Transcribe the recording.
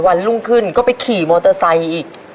วันรุ่งขึ้นก็ไปขี่มอเตอร์ไซค์อีก